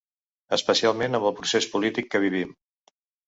Especialment amb el procés polític que vivim.